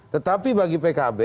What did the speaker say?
tetapi bagi pkb